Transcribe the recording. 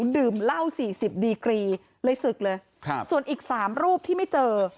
ดื่มเหล้าสี่สิบดีกรีเลยสึกเลยครับส่วนอีกสามรูปที่ไม่เจอ